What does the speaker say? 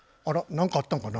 何かあったんかな？